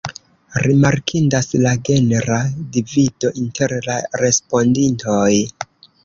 Rimarkindas la genra divido inter la respondintoj.